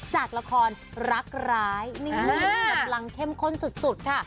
จากละครรักร้ายนี่กำลังเข้มข้นสุดค่ะ